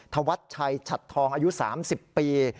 ธชฉัดทองอายุ๓๐ปี